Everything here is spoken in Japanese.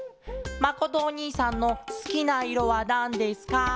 「まことおにいさんのすきないろはなんですか？」。